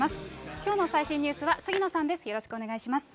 きょうの最新ニュースは杉野さんです。